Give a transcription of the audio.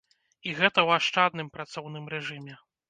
І гэта ў ашчадным працоўным рэжыме.